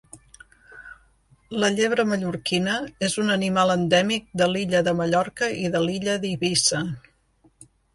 La llebre mallorquina és un animal endèmic de l'illa de Mallorca i de l'illa d'Eivissa.